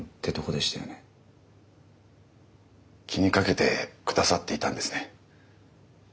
気に掛けてくださっていたんですね。